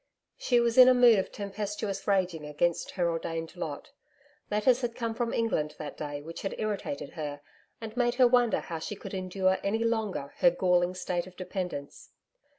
She was in a mood of tempestuous raging against her ordained lot. Letters had come from England that day which had irritated her and made her wonder how she could endure any longer her galling state of dependence.